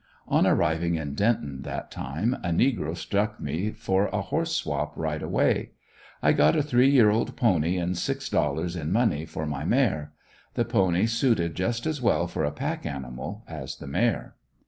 On arriving in Denton that time, a negro struck me for a horse swap right away. I got a three year old pony and six dollars in money for my mare; the pony suited just as well for a pack animal as the mare.